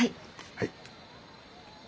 はい。